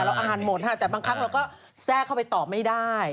อ่านหมดค่ะแต่บางครั้งเราก็แทรกเข้าไปตอบไม่ได้